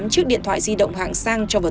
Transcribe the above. tám chiếc điện thoại di động hạng sang cho vật